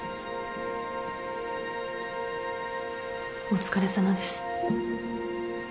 お疲れさまです。